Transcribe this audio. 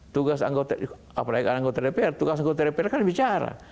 tugas anggota dpr kan bicara